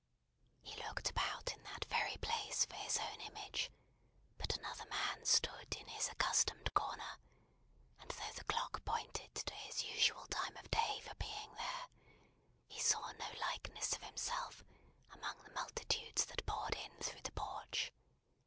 He looked about in that very place for his own image; but another man stood in his accustomed corner, and though the clock pointed to his usual time of day for being there, he saw no likeness of himself among the multitudes that poured in through the Porch.